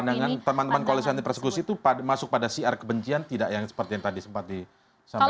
pandangan teman teman koalisi anti persekusi itu masuk pada siar kebencian tidak yang seperti yang tadi sempat disampaikan